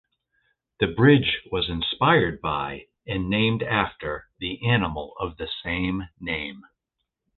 The bridge was inspired by and named after the animal of the same name.